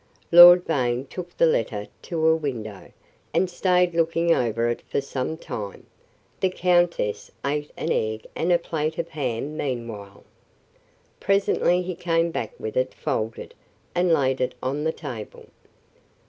Lord Vane took the letter to a window, and stayed looking over it for some time; the countess ate an egg and a plate of ham meanwhile. Presently he came back with it folded, and laid in on the table.